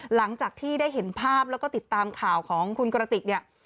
หลังจากที่ได้เห็นภาพแล้วก็ติดตามข่าวของคุณกระติกเนี่ย